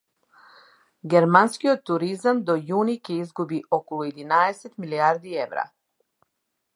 Германскиот туризам до јуни ќе изгуби околу единаесет милијарди евра